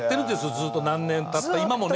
ずっと何年たった今もね。